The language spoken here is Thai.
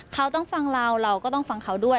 เขาต้องฟังเราเราก็ต้องฟังเขาด้วย